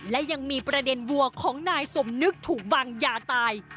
และยังมีประเด็นวัวของนายสมนึกถูกบังยาตาย